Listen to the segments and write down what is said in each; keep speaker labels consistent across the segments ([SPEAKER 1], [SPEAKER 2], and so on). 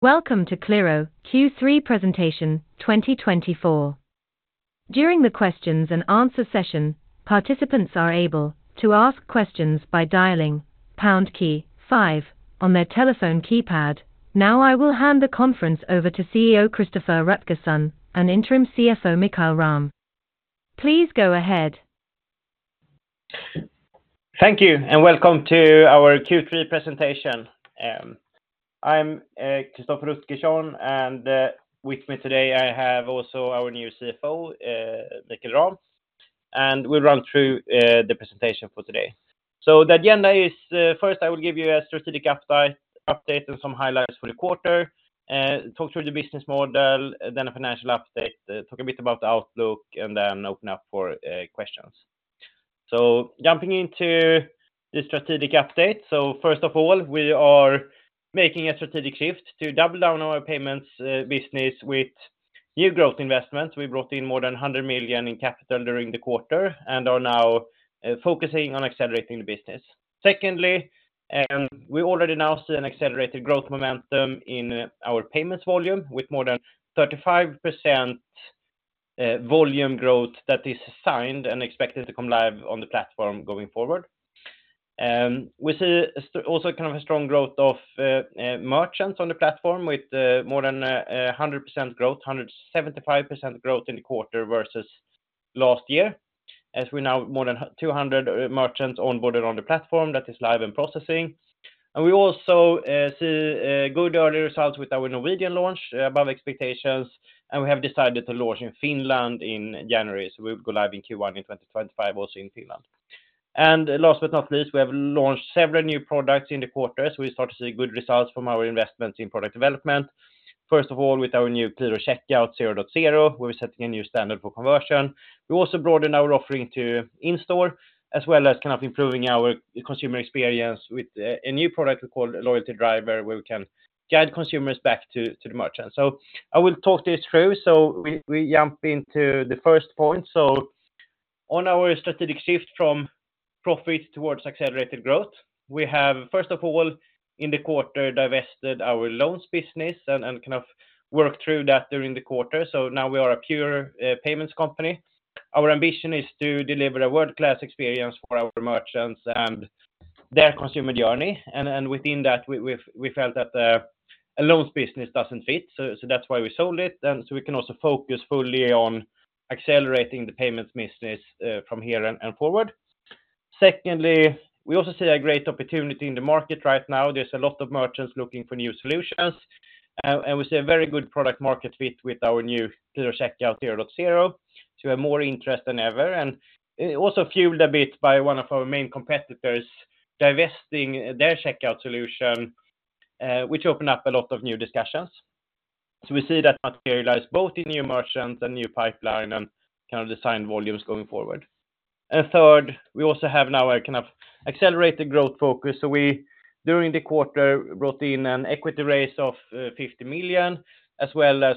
[SPEAKER 1] Welcome to Qliro Q3 Presentation 2024. During the Question and Answer session, participants are able to ask questions by dialing pound key five on their telephone keypad. Now I will hand the conference over to CEO Christoffer Rutgersson and Interim CFO Mikael Rahm. Please go ahead.
[SPEAKER 2] Thank you, and welcome to our Q3 Presentation. I'm Christoffer Rutgersson, and with me today I have also our new CFO, Mikael Rahm, and we'll run through the presentation for today. So the agenda is, first, I will give you a strategic update and some highlights for the quarter, talk through the business model, then a financial update, talk a bit about the outlook, and then open up for questions. So jumping into the strategic update, so first of all, we are making a strategic shift to double down on our payments business with new growth investments. We brought in more than 100 million in capital during the quarter and are now focusing on accelerating the business. Secondly, we already now see an accelerated growth momentum in our payments volume with more than 35% volume growth that is signed and expected to come live on the platform going forward. We see also kind of a strong growth of merchants on the platform with more than 100% growth, 175% growth in the quarter versus last year, as we now have more than 200 merchants onboarded on the platform that is live and processing, and we also see good early results with our Norwegian launch, above expectations, and we have decided to launch in Finland in January, so we will go live in Q1 in 2025 also in Finland, and last but not least, we have launched several new products in the quarter, so we start to see good results from our investments in product development. First of all, with our new Qliro Checkout 0.0, we're setting a new standard for conversion. We also broaden our offering to in-store, as well as kind of improving our consumer experience with a new product we call Loyalty Driver, where we can guide consumers back to the merchant. So I will talk this through, so we jump into the first point. So on our strategic shift from profit towards accelerated growth, we have, first of all, in the quarter, divested our loans business and kind of worked through that during the quarter. So now we are a pure payments company. Our ambition is to deliver a world-class experience for our merchants and their consumer journey. And within that, we felt that a loans business doesn't fit, so that's why we sold it. And so we can also focus fully on accelerating the payments business from here and forward. Secondly, we also see a great opportunity in the market right now. There's a lot of merchants looking for new solutions, and we see a very good product-market fit with our new Qliro Checkout 0.0. So we have more interest than ever, and also fueled a bit by one of our main competitors divesting their checkout solution, which opened up a lot of new discussions. So we see that materialize both in new merchants and new pipeline and kind of signed volumes going forward. And third, we also have now a kind of accelerated growth focus. So we, during the quarter, brought in an equity raise of 50 million, as well as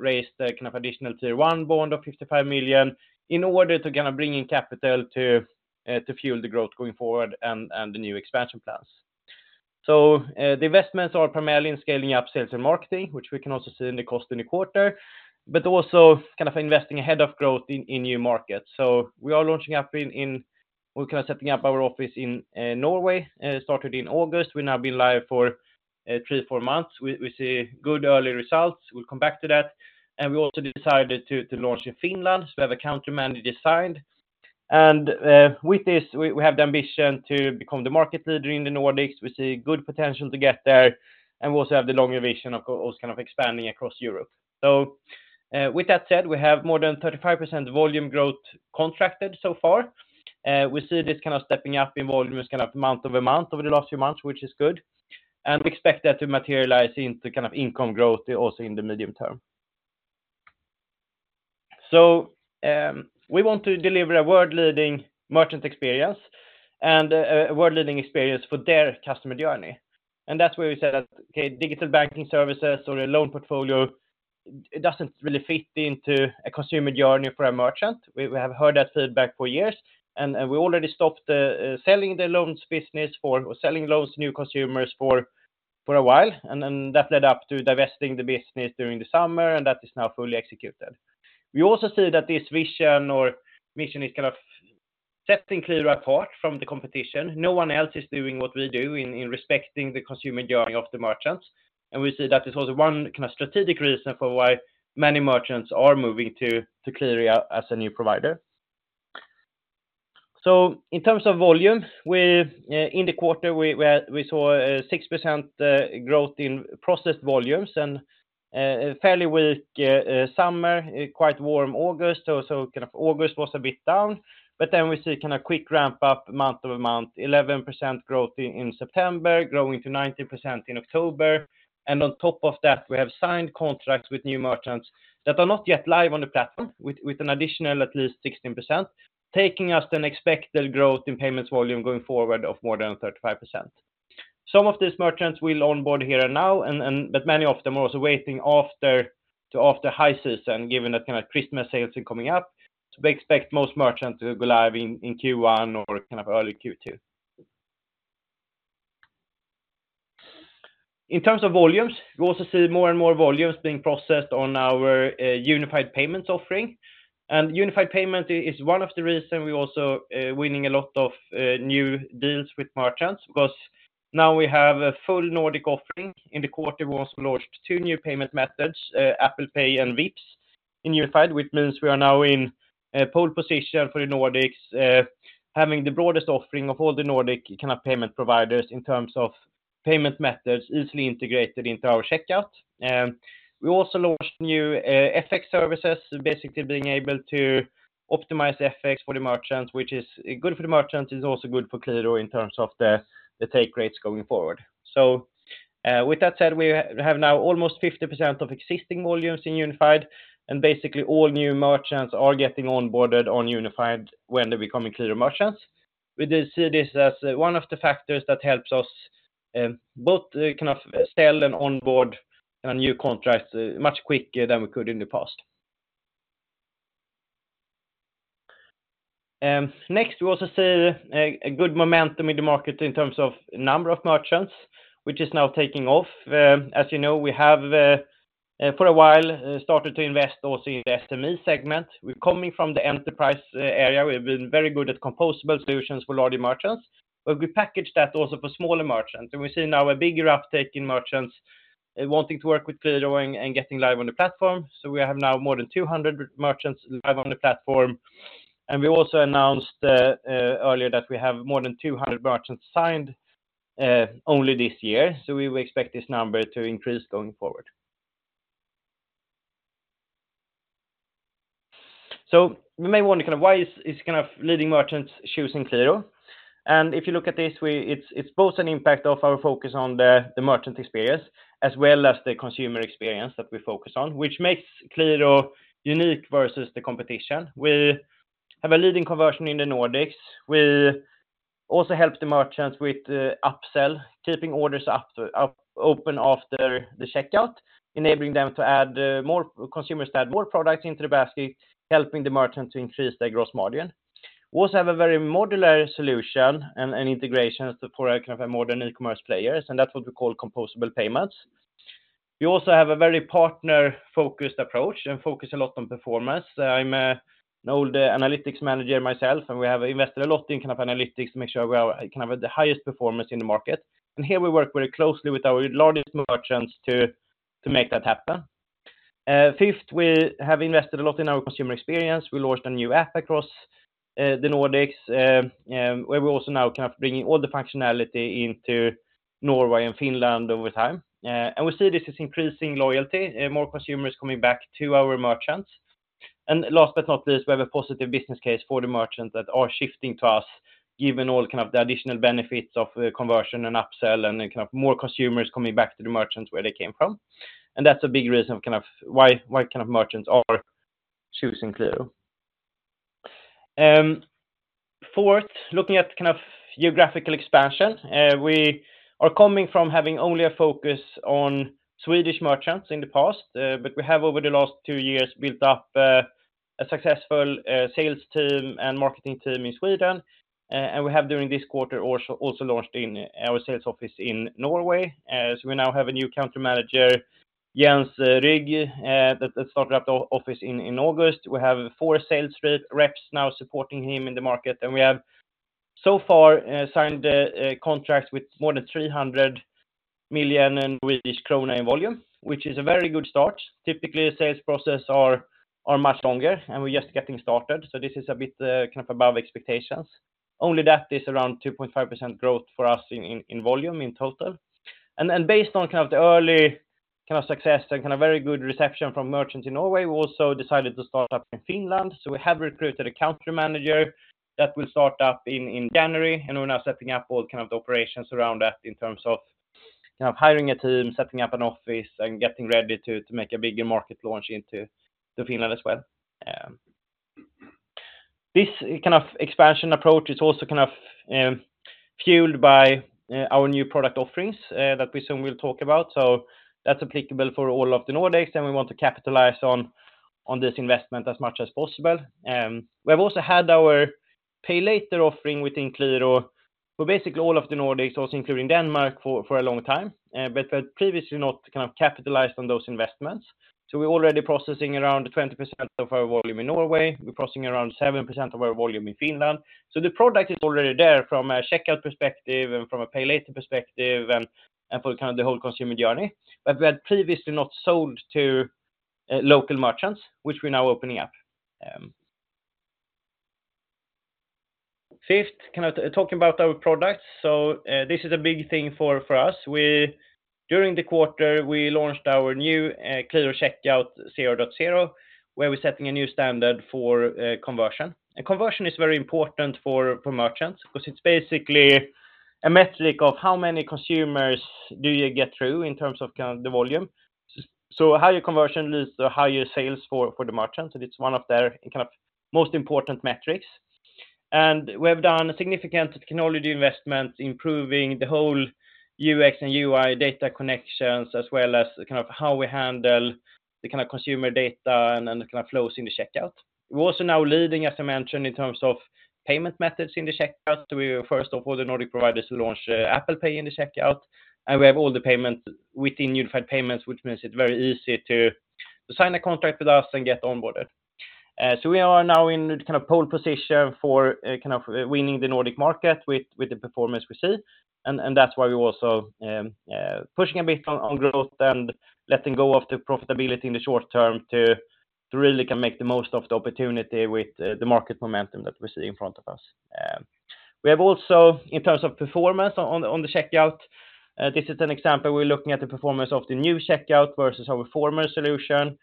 [SPEAKER 2] raised kind of additional Tier 1 bond of 55 million in order to kind of bring in capital to fuel the growth going forward and the new expansion plans. The investments are primarily in scaling up sales and marketing, which we can also see in the cost in the quarter, but also kind of investing ahead of growth in new markets. We are launching up in. We're kind of setting up our office in Norway, started in August. We've now been live for three, four months. We see good early results. We'll come back to that. We also decided to launch in Finland, so we have a country manager assigned. With this, we have the ambition to become the market leader in the Nordics. We see good potential to get there, and we also have the longer vision of kind of expanding across Europe. With that said, we have more than 35% volume growth contracted so far. We see this kind of stepping up in volume is kind of month-over-month over the last few months, which is good, and we expect that to materialize into kind of income growth also in the medium term, so we want to deliver a world-leading merchant experience and a world-leading experience for their customer journey, and that's where we said that, okay, digital banking services or a loan portfolio doesn't really fit into a consumer journey for a merchant. We have heard that feedback for years, and we already stopped selling the loans business or selling loans to new consumers for a while, and that led up to divesting the business during the summer, and that is now fully executed. We also see that this vision or mission is kind of setting Qliro apart from the competition. No one else is doing what we do in respecting the consumer journey of the merchants. And we see that is also one kind of strategic reason for why many merchants are moving to Qliro as a new provider. So in terms of volume, in the quarter, we saw 6% growth in processed volumes, and a fairly weak summer, quite warm August, so kind of August was a bit down. But then we see kind of quick ramp up month-over-month, 11% growth in September, growing to 19% in October. And on top of that, we have signed contracts with new merchants that are not yet live on the platform with an additional at least 16%, taking us to an expected growth in payments volume going forward of more than 35%. Some of these merchants will onboard here and now, but many of them are also waiting after high season, given that kind of Christmas sales are coming up. We expect most merchants to go live in Q1 or kind of early Q2. In terms of volumes, we also see more and more volumes being processed on our Unified Payments offering. Unified Payments is one of the reasons we're also winning a lot of new deals with merchants, because now we have a full Nordics offering. In the quarter, we also launched two new payment methods, Apple Pay and Vipps, in Unified Payments, which means we are now in a pole position for the Nordics, having the broadest offering of all the Nordics kind of payment providers in terms of payment methods easily integrated into our checkout. We also launched new FX services, basically being able to optimize FX for the merchants, which is good for the merchants, is also good for Qliro in terms of the take rates going forward. So with that said, we have now almost 50% of existing volumes in Unified, and basically all new merchants are getting onboarded on Unified when they become in Qliro merchants. We see this as one of the factors that helps us both kind of sell and onboard new contracts much quicker than we could in the past. Next, we also see a good momentum in the market in terms of number of merchants, which is now taking off. As you know, we have for a while started to invest also in the SME segment. We're coming from the enterprise area. We've been very good at composable solutions for large merchants, but we package that also for smaller merchants. And we see now a bigger uptake in merchants wanting to work with Qliro and getting live on the platform. So we have now more than 200 merchants live on the platform. And we also announced earlier that we have more than 200 merchants signed only this year. So we expect this number to increase going forward. So we may wonder kind of why is kind of leading merchants choosing Qliro? And if you look at this, it's both an impact of our focus on the merchant experience as well as the consumer experience that we focus on, which makes Qliro unique versus the competition. We have a leading conversion in the Nordics. We also help the merchants with upsell, keeping orders open after the checkout, enabling them to add more consumers to add more products into the basket, helping the merchants to increase their gross margin. We also have a very modular solution and integration for kind of a modern e-commerce players, and that's what we call composable payments. We also have a very partner-focused approach and focus a lot on performance. I'm an old analytics manager myself, and we have invested a lot in kind of analytics to make sure we have the highest performance in the market. And here we work very closely with our largest merchants to make that happen. Fifth, we have invested a lot in our consumer experience. We launched a new app across the Nordics, where we also now kind of bringing all the functionality into Norway and Finland over time. And we see this is increasing loyalty, more consumers coming back to our merchants. And last but not least, we have a positive business case for the merchants that are shifting to us, given all kinds of the additional benefits of conversion and upsell and kind of more consumers coming back to the merchants where they came from. And that's a big reason of kind of why kind of merchants are choosing Qliro. Fourth, looking at kind of geographical expansion, we are coming from having only a focus on Swedish merchants in the past, but we have over the last two years built up a successful sales team and marketing team in Sweden. And we have during this quarter also launched our sales office in Norway. So we now have a new country manager, Jens Rygg, that started up the office in August. We have four sales reps now supporting him in the market, and we have so far signed contracts with more than 300 million in Swedish Krona in volume, which is a very good start. Typically, sales processes are much longer, and we're just getting started, so this is a bit kind of above expectations. Only that is around 2.5% growth for us in volume in total, and based on kind of the early kind of success and kind of very good reception from merchants in Norway, we also decided to start up in Finland. So we have recruited a country manager that will start up in January, and we're now setting up all kind of the operations around that in terms of kind of hiring a team, setting up an office, and getting ready to make a bigger market launch into Finland as well. This kind of expansion approach is also kind of fueled by our new product offerings that we soon will talk about. So that's applicable for all of the Nordics, and we want to capitalize on this investment as much as possible. We have also had our Pay Later offering within Qliro, who basically all of the Nordics, also including Denmark, for a long time, but previously not kind of capitalized on those investments. So we're already processing around 20% of our volume in Norway. We're processing around 7% of our volume in Finland. So the product is already there from a checkout perspective and from a Pay Later perspective and for kind of the whole consumer journey. But we had previously not sold to local merchants, which we're now opening up. Fifth, kind of talking about our products. So this is a big thing for us. During the quarter, we launched our new Qliro Checkout 0.0, where we're setting a new standard for conversion, and conversion is very important for merchants, because it's basically a metric of how many consumers do you get through in terms of kind of the volume, so higher conversion leads to higher sales for the merchants, and it's one of their kind of most important metrics, and we have done significant technology investments improving the whole UX and UI data connections, as well as kind of how we handle the kind of consumer data and the kind of flows in the checkout. We're also now leading, as I mentioned, in terms of payment methods in the checkout, so we were first of all the Nordic providers who launched Apple Pay in the checkout. We have all the payments within Unified Payments, which means it's very easy to sign a contract with us and get onboarded. So we are now in the kind of pole position for kind of winning the Nordic market with the performance we see. And that's why we're also pushing a bit on growth and letting go of the profitability in the short term to really kind of make the most of the opportunity with the market momentum that we see in front of us. We have also, in terms of performance on the checkout, this is an example where we're looking at the performance of the new checkout versus our former solution.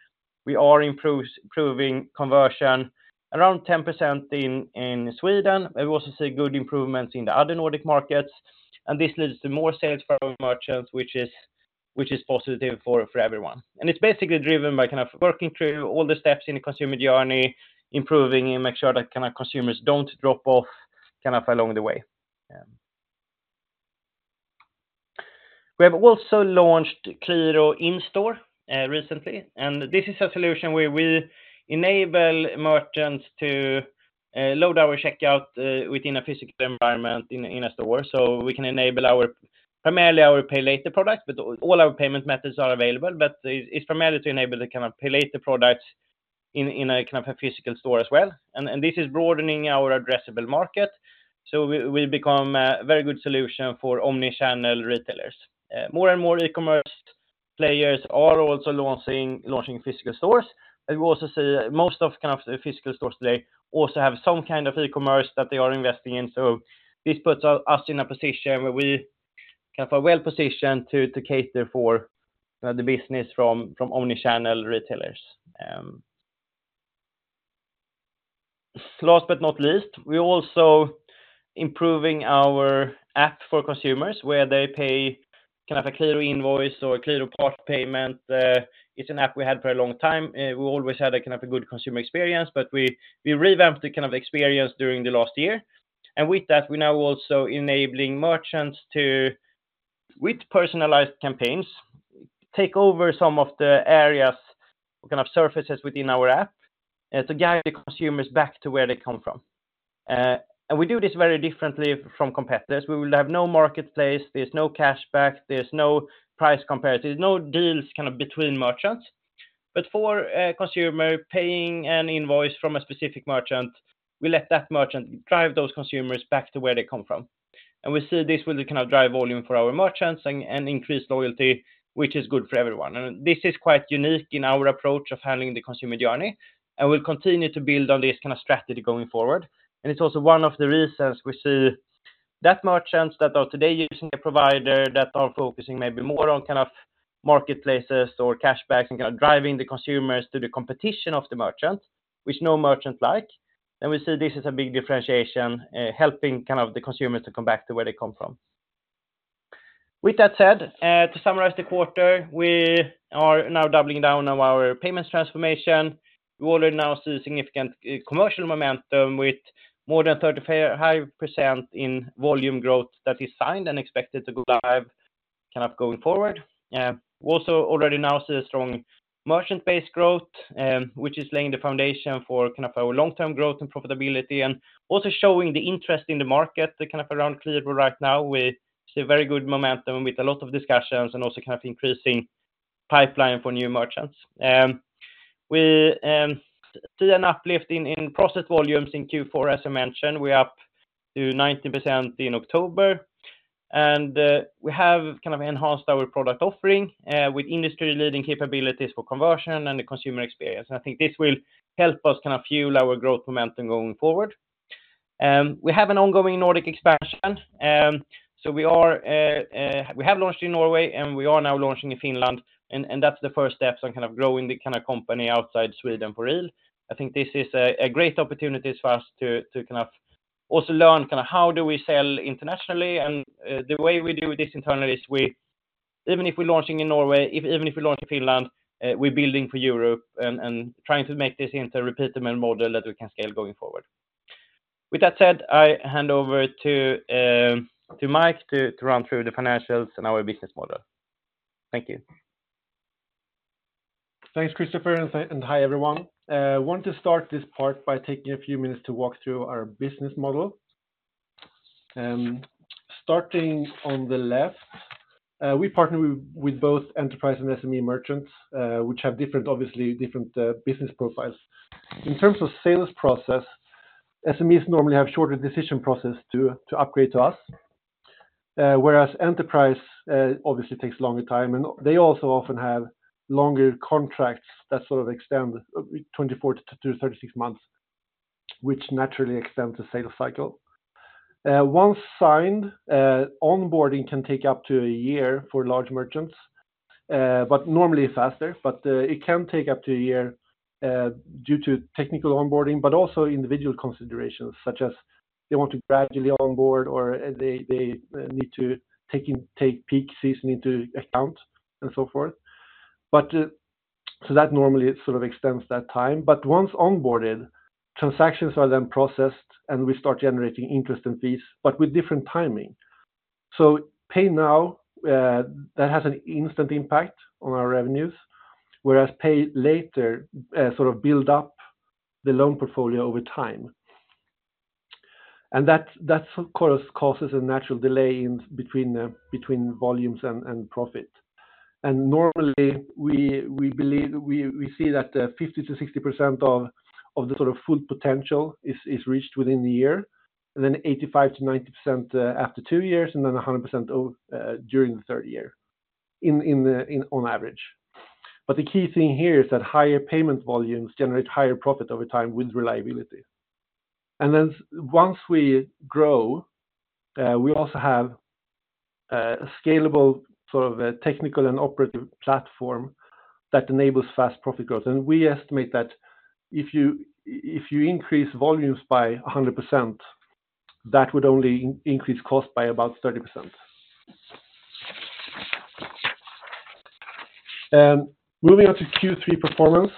[SPEAKER 2] We are improving conversion around 10% in Sweden, but we also see good improvements in the other Nordic markets. And this leads to more sales for our merchants, which is positive for everyone. It's basically driven by kind of working through all the steps in the consumer journey, improving and make sure that kind of consumers don't drop off kind of along the way. We have also launched Qliro In-store recently, and this is a solution where we enable merchants to load our checkout within a physical environment in a store. We can enable primarily our Pay Later products, but all our payment methods are available, but it's primarily to enable the kind of Pay Later products in a kind of physical store as well. This is broadening our addressable market. We become a very good solution for omnichannel retailers. More and more e-commerce players are also launching physical stores. We also see most of kind of physical stores today also have some kind of e-commerce that they are investing in. This puts us in a position where we kind of are well positioned to cater for the business from omnichannel retailers. Last but not least, we're also improving our app for consumers, where they pay kind of a Qliro invoice or Qliro part payment. It's an app we had for a long time. We always had a kind of a good consumer experience, but we revamped the kind of experience during the last year. With that, we're now also enabling merchants to, with personalized campaigns, take over some of the areas or kind of surfaces within our app to guide the consumers back to where they come from. We do this very differently from competitors. We will have no marketplace. There's no cashback. There's no price comparative. There's no deals kind of between merchants. For a consumer paying an invoice from a specific merchant, we let that merchant drive those consumers back to where they come from. We see this will kind of drive volume for our merchants and increase loyalty, which is good for everyone. This is quite unique in our approach of handling the consumer journey. We'll continue to build on this kind of strategy going forward. It's also one of the reasons we see that merchants that are today using a provider that are focusing maybe more on kind of marketplaces or cashbacks and kind of driving the consumers to the competition of the merchant, which no merchant likes. We see this is a big differentiation, helping kind of the consumers to come back to where they come from. With that said, to summarize the quarter, we are now doubling down on our payments transformation. We already now see significant commercial momentum with more than 35% in volume growth that is signed and expected to go live kind of going forward. We also already now see a strong merchant base growth, which is laying the foundation for kind of our long-term growth and profitability and also showing the interest in the market kind of around Qliro right now. We see very good momentum with a lot of discussions and also kind of increasing pipeline for new merchants. We see an uplift in processed volumes in Q4, as I mentioned. We're up to 90% in October, and we have kind of enhanced our product offering with industry-leading capabilities for conversion and the consumer experience, and I think this will help us kind of fuel our growth momentum going forward. We have an ongoing Nordic expansion. We have launched in Norway, and we are now launching in Finland. And that's the first step on kind of growing the kind of company outside Sweden for real. I think this is a great opportunity for us to kind of also learn kind of how do we sell internationally. And the way we do this internally is even if we're launching in Norway, even if we're launching in Finland, we're building for Europe and trying to make this into a repeatable model that we can scale going forward. With that said, I hand over to Mike to run through the financials and our business model. Thank you.
[SPEAKER 3] Thanks, Christoffer. And hi, everyone. I want to start this part by taking a few minutes to walk through our business model. Starting on the left, we partner with both enterprise and SME merchants, which have obviously different business profiles. In terms of sales process, SMEs normally have shorter decision processes to upgrade to us, whereas enterprise obviously takes a longer time, and they also often have longer contracts that sort of extend 24-36 months, which naturally extends the sales cycle. Once signed, onboarding can take up to a year for large merchants, but normally faster, but it can take up to a year due to technical onboarding, but also individual considerations, such as they want to gradually onboard or they need to take peak season into account and so forth. So that normally sort of extends that time, but once onboarded, transactions are then processed, and we start generating interest and fees, but with different timing, so pay now, that has an instant impact on our revenues, whereas Pay Later sort of builds up the loan portfolio over time. That causes a natural delay between volumes and profit. Normally, we see that 50%-60% of the sort of full potential is reached within the year, and then 85%-90% after two years, and then 100% during the third year on average. But the key thing here is that higher payment volumes generate higher profit over time with reliability. Then once we grow, we also have a scalable sort of technical and operative platform that enables fast profit growth. We estimate that if you increase volumes by 100%, that would only increase cost by about 30%. Moving on to Q3 performance,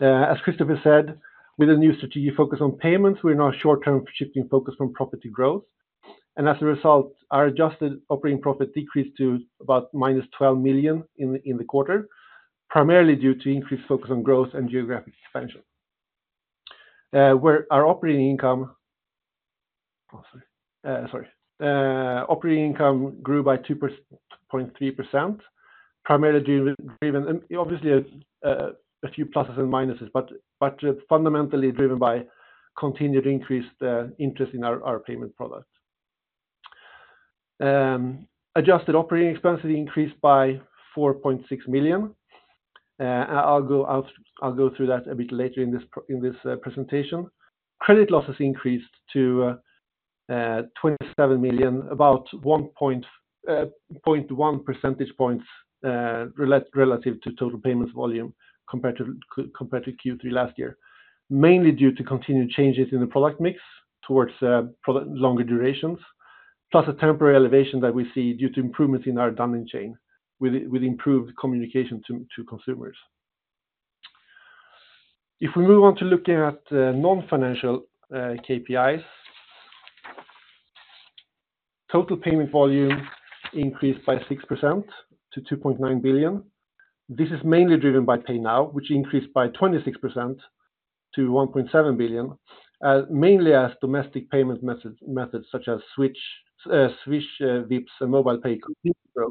[SPEAKER 3] as Christoffer said, with a new strategic focus on payments, we're now short-term shifting focus from profit to growth. And as a result, our adjusted operating profit decreased to about -12 million in the quarter, primarily due to increased focus on growth and geographic expansion. Our operating income grew by 2.3%, primarily driven, obviously, a few pluses and minuses, but fundamentally driven by continued increased interest in our payment product. Adjusted operating expenses increased by 4.6 million. I'll go through that a bit later in this presentation. Credit losses increased to 27 million, about 1.1 percentage points relative to total payments volume compared to Q3 last year, mainly due to continued changes in the product mix towards longer durations, plus a temporary elevation that we see due to improvements in our Dunning chain with improved communication to consumers. If we move on to looking at non-financial KPIs, total payment volume increased by 6% to 2.9 billion. This is mainly driven by Pay Now, which increased by 26% to 1.7 billion, mainly as domestic payment methods such as Swish, Vipps, and MobilePay continued to grow.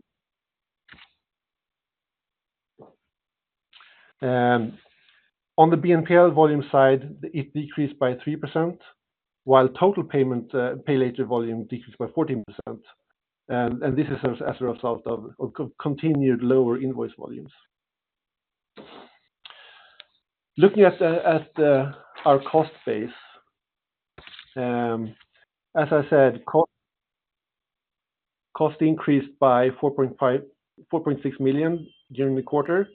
[SPEAKER 3] On the BNPL volume side, it decreased by 3%, while total Pay Later volume decreased by 14%, and this is as a result of continued lower invoice volumes. Looking at our cost base, as I said, cost increased by 4.6 million during the quarter.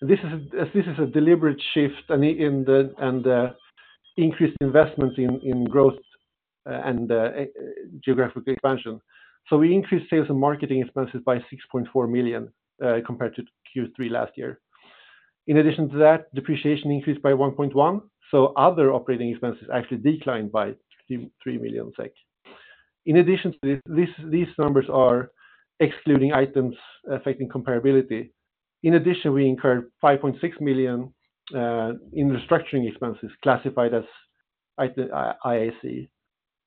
[SPEAKER 3] This is a deliberate shift and increased investments in growth and geographic expansion, so we increased sales and marketing expenses by 6.4 million compared to Q3 last year. In addition to that, depreciation increased by 1.1 million, so other operating expenses actually declined by 3 million SEK. In addition to this, these numbers are excluding items affecting comparability. In addition, we incurred 5.6 million in restructuring expenses classified as IAC.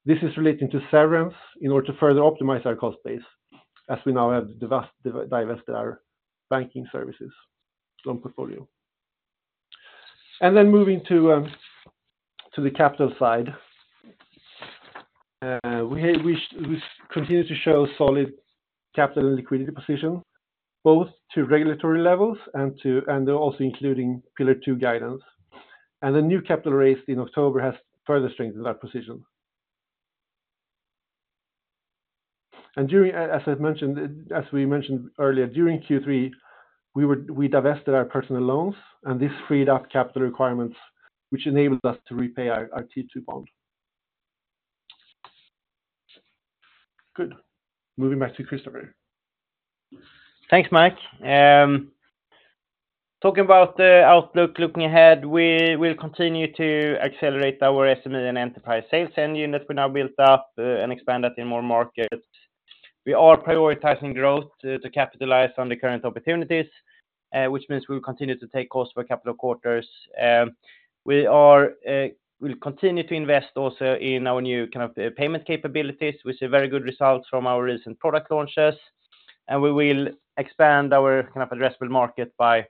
[SPEAKER 3] This is relating to severance in order to further optimize our cost base as we now have divested our banking services loan portfolio. Then moving to the capital side, we continue to show solid capital and liquidity position, both to regulatory levels and also including Pillar Two guidance. The new capital raised in October has further strengthened our position. As I mentioned, as we mentioned earlier, during Q3, we divested our personal loans, and this freed up capital requirements, which enabled us to repay our Tier 2 bond. Good. Moving back to Christoffer.
[SPEAKER 2] Thanks, Mike. Talking about the outlook looking ahead, we will continue to accelerate our SME and enterprise sales engine that we now built up and expanded in more markets. We are prioritizing growth to capitalize on the current opportunities, which means we will continue to take cost for capital quarters. We will continue to invest also in our new kind of payment capabilities. We see very good results from our recent product launches. And we will expand our kind of addressable market by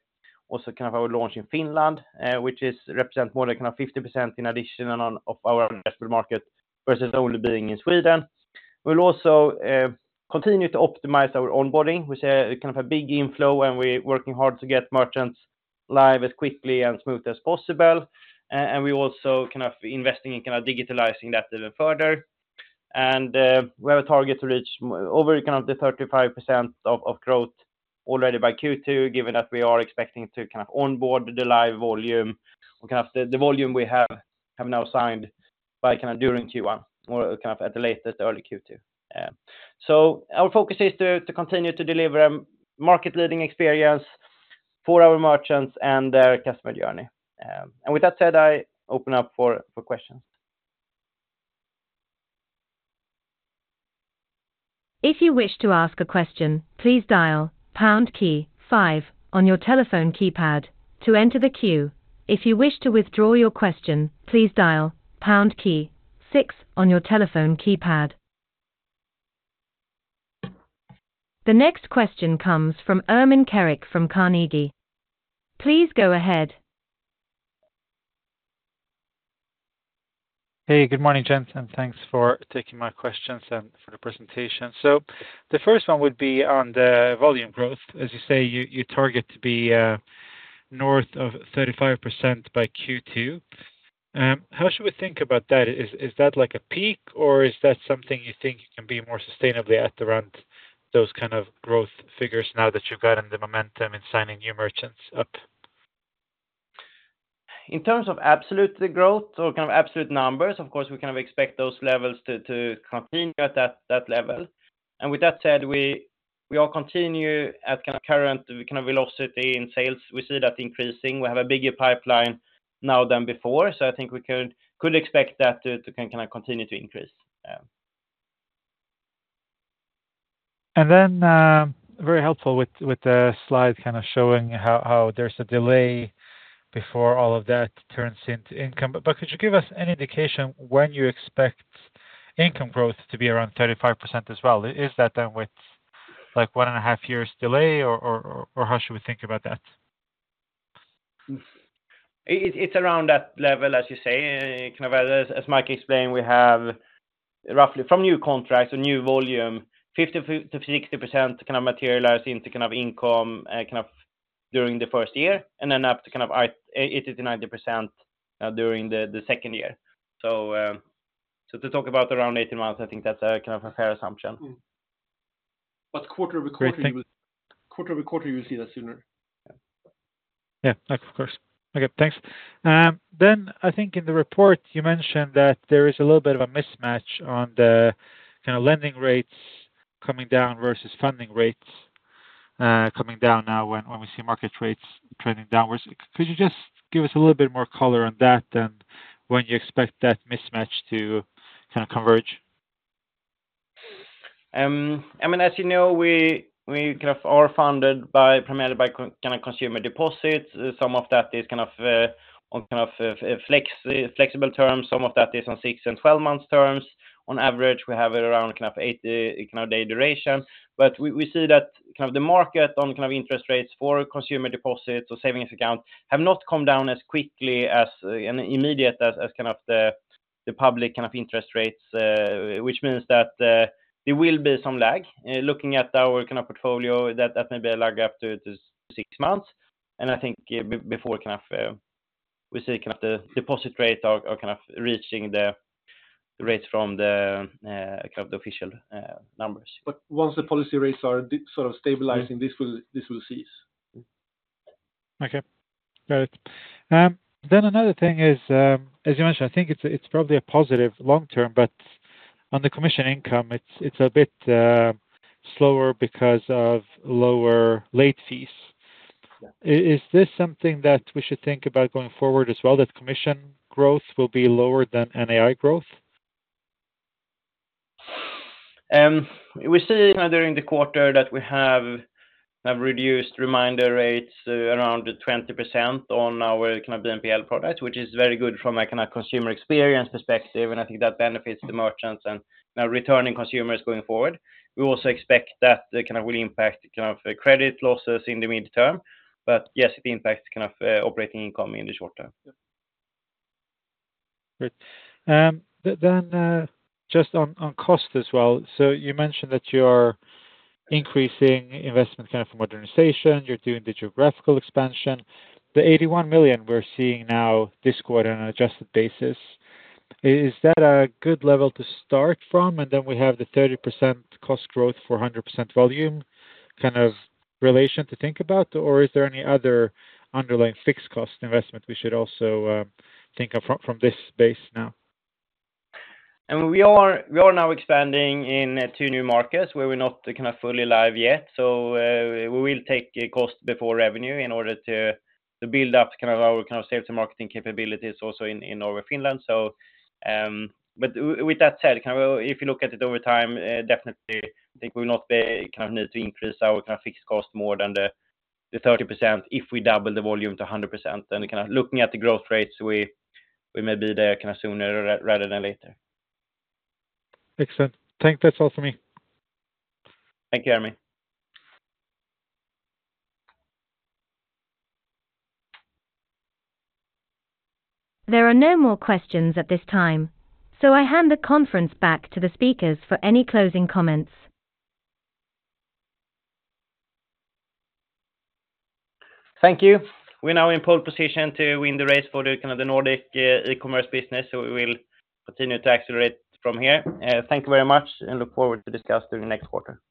[SPEAKER 2] also kind of our launch in Finland, which represents more than kind of 50% in addition of our addressable market versus only being in Sweden. We will also continue to optimize our onboarding. We see a kind of a big inflow, and we're working hard to get merchants live as quickly and smooth as possible. And we also kind of investing in kind of digitalizing that even further. We have a target to reach over kind of the 35% of growth already by Q2, given that we are expecting to kind of onboard the live volume and kind of the volume we have now signed by kind of during Q1 or kind of at the latest early Q2. So our focus is to continue to deliver a market-leading experience for our merchants and their customer journey. And with that said, I open up for questions.
[SPEAKER 1] If you wish to ask a question, please dial pound key five on your telephone keypad to enter the queue. If you wish to withdraw your question, please dial pound key six on your telephone keypad. The next question comes from Ermin Keric from Carnegie. Please go ahead.
[SPEAKER 4] Hey, good morning, gents. And thanks for taking my questions and for the presentation. So the first one would be on the volume growth. As you say, you target to be north of 35% by Q2. How should we think about that? Is that like a peak, or is that something you think can be more sustainably at around those kind of growth figures now that you've gotten the momentum in signing new merchants up?
[SPEAKER 2] In terms of absolute growth or kind of absolute numbers, of course, we kind of expect those levels to continue at that level, and with that said, we are continuing at kind of current velocity in sales. We see that increasing. We have a bigger pipeline now than before, so I think we could expect that to kind of continue to increase,
[SPEAKER 4] and then very helpful with the slide kind of showing how there's a delay before all of that turns into income. But could you give us an indication when you expect income growth to be around 35% as well? Is that then with like one and a half years delay, or how should we think about that?
[SPEAKER 2] It's around that level, as you say. Kind of as Mike explained, we have roughly from new contracts or new volume, 50%-60% kind of materialize into kind of income kind of during the first year and then up to kind of 80%-90% during the second year. So to talk about around 18 months, I think that's a kind of a fair assumption.
[SPEAKER 4] But quarter-over-quarter, quarter-over-quarter, you'll see that sooner.
[SPEAKER 2] Yeah, of course.
[SPEAKER 4] Okay, thanks. Then I think in the report, you mentioned that there is a little bit of a mismatch on the kind of lending rates coming down versus funding rates coming down now, when we see market rates trending downwards. Could you just give us a little bit more color on that and when you expect that mismatch to kind of converge?
[SPEAKER 2] I mean, as you know, we kind of are funded primarily by kind of consumer deposits. Some of that is kind of on kind of flexible terms. Some of that is on six and 12-month terms. On average, we have it around kind of 80-day duration. But we see that kind of the market on kind of interest rates for consumer deposits or savings accounts have not come down as quickly as and immediate as kind of the public kind of interest rates, which means that there will be some lag. Looking at our kind of portfolio, that may be a lag up to six months. And I think before kind of we see kind of the deposit rate are kind of reaching the rates from the kind of the official numbers.
[SPEAKER 3] But once the policy rates are sort of stabilizing, this will cease.
[SPEAKER 4] Okay, got it. Then another thing is, as you mentioned, I think it's probably a positive long term, but on the commission income, it's a bit slower because of lower late fees. Is this something that we should think about going forward as well, that commission growth will be lower than NII growth?
[SPEAKER 2] We see during the quarter that we have reduced reminder rates around 20% on our kind of BNPL product, which is very good from a kind of consumer experience perspective. And I think that benefits the merchants and our returning consumers going forward. We also expect that kind of will impact kind of credit losses in the midterm. But yes, it impacts kind of operating income in the short term.
[SPEAKER 4] Great, then just on cost as well. So you mentioned that you are increasing investment kind of for modernization. You're doing the geographical expansion. The 81 million we're seeing now this quarter on an adjusted basis, is that a good level to start from? And then we have the 30% cost growth for 100% volume kind of relation to think about, or is there any other underlying fixed cost investment we should also think of from this base now?
[SPEAKER 2] I mean, we are now expanding in two new markets where we're not kind of fully live yet. So we will take cost before revenue in order to build up kind of our sales and marketing capabilities also in Norway and Finland. But with that said, kind of if you look at it over time, definitely I think we will not be kind of need to increase our kind of fixed cost more than the 30% if we double the volume to 100%. And kind of looking at the growth rates, we may be there kind of sooner rather than later.
[SPEAKER 4] Excellent. Thank you, that's all for me.
[SPEAKER 2] Thank you, Ermin.
[SPEAKER 1] There are no more questions at this time, so I hand the conference back to the speakers for any closing comments.
[SPEAKER 2] Thank you. We're now in pole position to win the race for the kind of the Nordic e-commerce business. So we will continue to accelerate from here. Thank you very much, and look forward to discuss during the next quarter.